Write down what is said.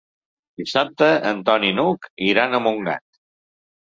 Dissabte en Ton i n'Hug iran a Montgat.